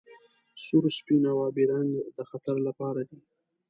سور سپین او ابي رنګ د خطر لپاره دي.